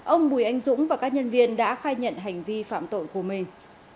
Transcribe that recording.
ông bùi anh dũng và các nhân viên đã khai nhận hành vi phạm tội của mình